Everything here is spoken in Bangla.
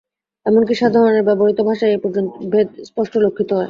এমন কি, সাধারণের ব্যবহৃত ভাষায় পর্যন্ত এই ভেদ স্পষ্ট লক্ষিত হয়।